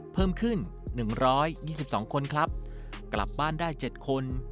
เพิ่มขึ้น๑๒๒คนครับกลับบ้านได้๗คน